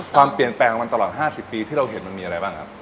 ความเปลี่ยนแปลงของมันตลอด๕๐ปีที่เราเห็นมันมีอะไรบ้างครับ